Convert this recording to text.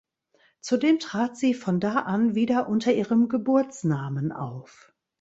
Zudem trat sie von da an wieder unter ihrem Geburtsnamen auf.